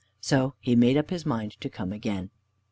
So he made up his mind to come again.